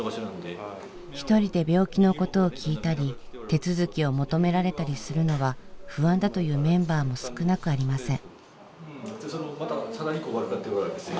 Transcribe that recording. ひとりで病気のことを聞いたり手続きを求められたりするのは不安だというメンバーも少なくありません。